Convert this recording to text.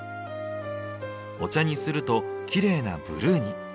お茶にするとキレイなブルーに。